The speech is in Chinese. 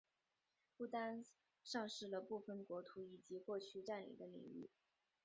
不丹丧失了部分国土以及过去占领的领域。